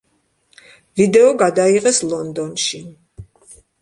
ვიდეო გადაიღეს ლონდონში.